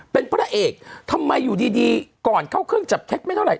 เป็นพระเอกทำไมอยู่ดีก่อนเข้าเครื่องจับเท็จไม่เท่าไห